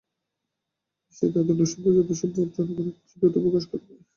এ বিষয়ে তাদের অনুসন্ধান যথাসম্ভব জনগণের কাছে দ্রুত প্রকাশ করবে।